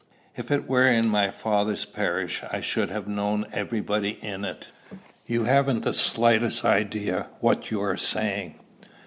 "If it were in my father's parish, I should have known everybody in it." "You haven't the slightest idea what you are saying."